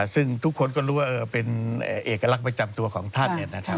ซึ่งทุกคนก็รู้ว่าเป็นเอกลักษณ์ประจำตัวของท่าน